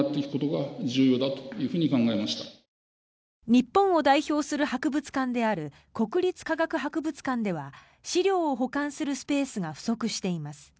日本を代表する博物館である国立科学博物館では資料を保管するスペースが不足しています。